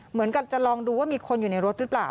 เหมือนกับจะลองดูว่ามีคนอยู่ในรถหรือเปล่า